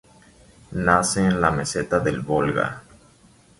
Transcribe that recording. Nace en la meseta del Volga.